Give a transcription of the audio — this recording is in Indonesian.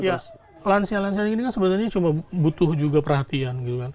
ya lansian lansian ini kan sebenarnya butuh juga perhatian